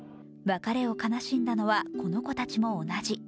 別れを悲しんだのは、この子たちも同じ。